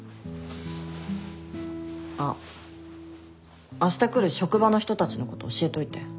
あっあした来る職場の人たちのこと教えといて。